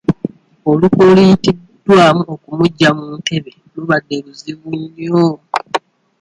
Olukwe oluyitiddwamu okumuggya mu ntebe lubadde luzibu nnyo.